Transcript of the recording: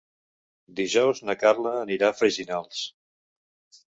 Dijous na Carla anirà a Freginals.